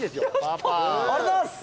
ありがとうございます。